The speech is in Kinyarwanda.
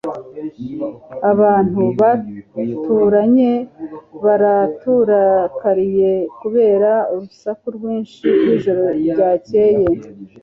Abantu baturanye baraturakariye kubera urusaku rwinshi mwijoro ryakeye